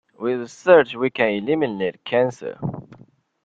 With research we can eliminate cancer.